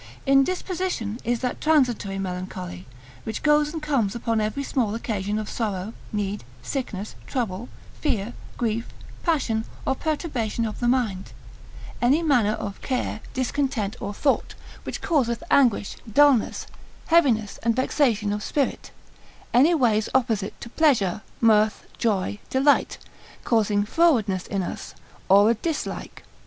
In disposition, is that transitory melancholy which goes and comes upon every small occasion of sorrow, need, sickness, trouble, fear, grief, passion, or perturbation of the mind, any manner of care, discontent, or thought, which causeth anguish, dullness, heaviness and vexation of spirit, any ways opposite to pleasure, mirth, joy, delight, causing frowardness in us, or a dislike.